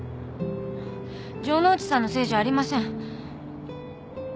城ノ内さんのせいじゃありません。